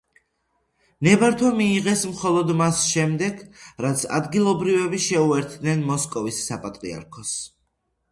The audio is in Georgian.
ნებართვა მიიღეს მხოლოდ მას შემდეგ, რაც ადგილობრივები შეუერთდნენ მოსკოვის საპატრიარქოს.